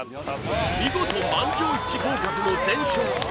見事満場一致合格の前哨戦